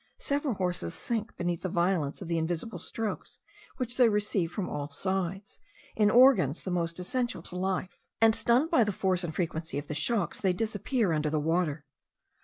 Several horses sink beneath the violence of the invisible strokes which they receive from all sides, in organs the most essential to life; and stunned by the force and frequency of the shocks, they disappear under the water.